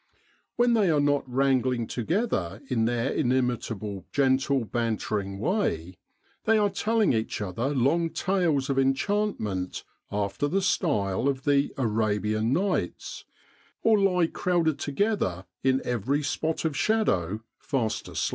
When they are not wrangling together in their inimitable, gentle, bantering way, they are telling each other long tales of enchantment after the style of the " Arabian Nights," or lie crowded together in every spot of shadow, fast asleep.